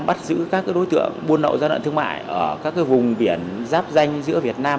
bắt giữ các đối tượng buôn nậu do nợ thương mại ở các vùng biển giáp danh giữa việt nam